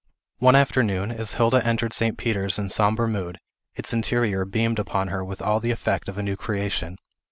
One afternoon, as Hilda entered St. Peter's in sombre mood, its interior beamed upon her with all the effect of a new creation.